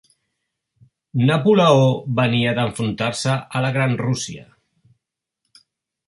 Napoleó venia d'enfrontar-se a la gran Rússia.